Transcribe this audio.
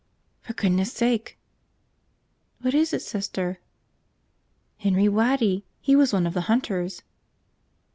"For goodness' sake!" "What is it, Sister?" "Henry Waddy! He was one of the hunters!"